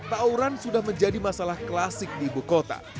tauran sudah menjadi masalah klasik di ibu kota